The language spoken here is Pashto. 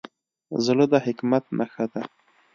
زړه د حکمت نښه ده.